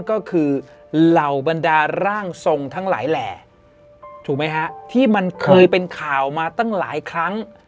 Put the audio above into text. ก็คือเหล่าบรรดาร่างทรงทั้งหลายแหล่ถูกไหมฮะที่มันเคยเป็นข่าวมาตั้งหลายครั้ง